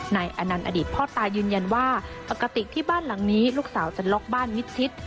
อนันต์อดีตพ่อตายืนยันว่าปกติที่บ้านหลังนี้ลูกสาวจะล็อกบ้านมิดชิด